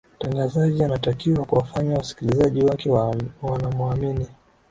mtangazaji anatakiwa kuwafanya wasikilizaji wake wanamuamini